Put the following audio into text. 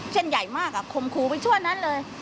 เส้นใหญ่มากคมครูไปชั่วนั้นเลย